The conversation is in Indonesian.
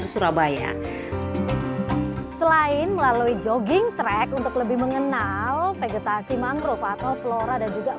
surabaya selain melalui jogging track untuk lebih mengenal vegetasi mangrove atau flora dan juga